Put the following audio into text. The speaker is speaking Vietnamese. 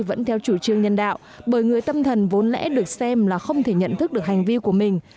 vẫn theo chủ trương nhân đạo bởi người tâm thần vốn lẽ được xem là không thể nhận thức được hành vi của mình